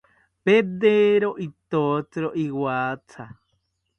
Pedero ithotziro iwatha